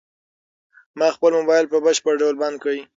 ما خپل موبايل په بشپړ ډول بند کړ.